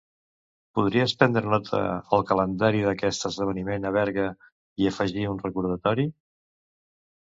Podries prendre nota al calendari d'aquest esdeveniment a Berga i afegir un recordatori?